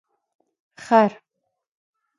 🫏 خر